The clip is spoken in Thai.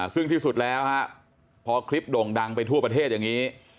ซึ่งที่สุดแล้วพอคลิปโด่งดังไปทั่วประเทศอย่างนี้